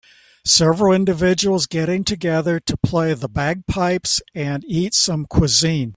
Several individuals getting together to play the bagpipes and eat some cuisine